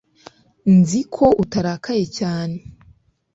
nzi ko urakaye cyane